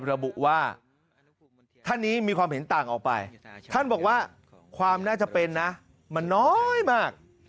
ระบุว่าท่านนี้มีความเห็นต่างออกไปท่านบอกว่าความน่าจะเป็นนะมันน้อยมาก